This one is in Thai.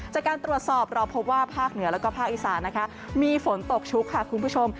จากการตรวจสอบเราพบว่าภาคเหนือแล้วก็ภาคอีสานนะคะมีฝนตกชุกค่ะคุณผู้ชม